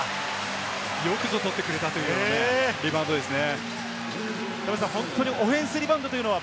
よくぞ取ってくれたというようなリバウンドですね。